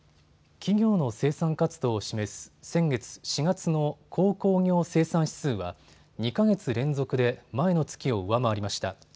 企業の生産活動を示す先月４月の鉱工業生産指数は２か月連続で前の月を上回りました。